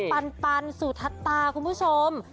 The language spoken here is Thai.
น้องปันสุทัศนะคุณผู้ชม